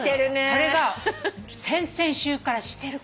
それが先々週からしてるから。